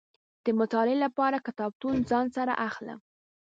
د مطالعې لپاره کتابونه ځان سره را اخلم.